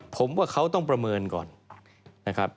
ผมว่าเขาต้องประเมินก่อนนะครับ